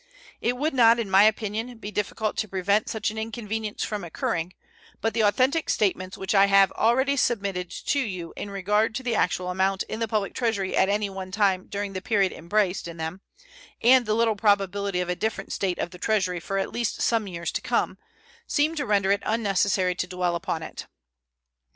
It would not, in my opinion, be difficult to prevent such an inconvenience from occurring; but the authentic statements which I have already submitted to you in regard to the actual amount in the public Treasury at any one time during the period embraced in them and the little probability of a different state of the Treasury for at least some years to come seem to render it unnecessary to dwell upon it.